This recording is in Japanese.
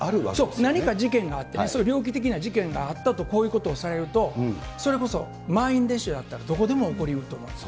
そう、何か事件があって、猟奇的な事件があったと、こういうことをされると、それこそ、満員電車だったら、どこでも起こりうると思います。